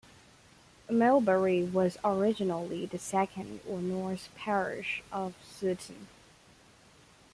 Millbury was originally the Second or North Parish of Sutton.